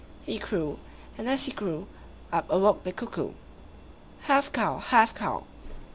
he crew, and as he crew, up awoke the Cuckoo. Half cow! Half cow!